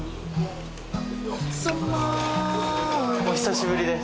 お久しぶりです。